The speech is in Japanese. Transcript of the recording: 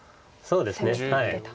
そうですね。